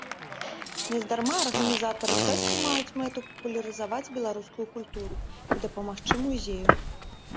Нездарма арганізатары фэсту маюць мэту папулярызаваць беларускую культуру і дапамагчы музею.